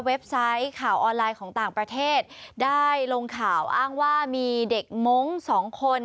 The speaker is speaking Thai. ไซต์ข่าวออนไลน์ของต่างประเทศได้ลงข่าวอ้างว่ามีเด็กมงค์สองคน